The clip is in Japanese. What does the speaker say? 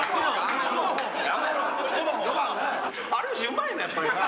有吉うまいなやっぱりな！